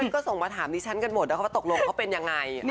ก็ส่งมาถามดิฉันกันหมดนะคะว่าตกลงเขาเป็นยังไง